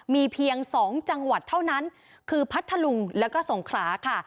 มีเพียง๒จังหวัดเท่านั้นคือพัทธลุงแล้วก็สงขลาค่ะ